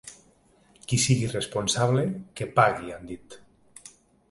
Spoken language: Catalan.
Qui sigui responsable, que pagui, han dit.